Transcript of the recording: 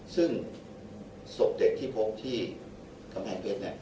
ซึ่งศพเด็กที่พบที่กำแพงเพชร